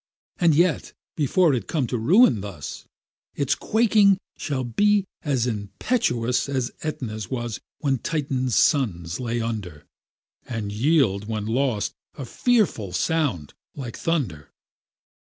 And yet, before it come to ruin thus, Its quaking shall be as impetuous As Aetna's was when Titan's sons lay under, And yield, when lost, a fearful sound like thunder.